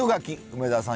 梅沢さん